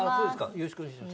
よろしくお願いします。